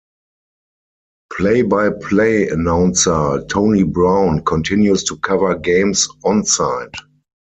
Play-by-play announcer Tony Brown continues to cover games on-site.